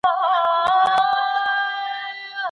د لويي جرګې په خېمه کي ګرم بحثونه معمولا کله تودېږي؟